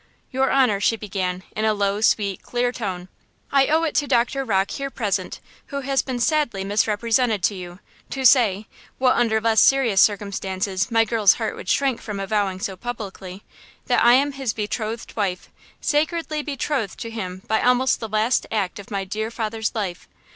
"Your honor," she began, in a low, sweet, clear tone, "I owe it to Doctor Rocke here present, who has been sadly misrepresented to you, to say (what, under less serious circumstances, my girl's heart would shrink from avowing so publicly) that I am his betrothed wife–sacredly betrothed to him by almost the last act of my dear father's life.